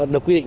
được quy định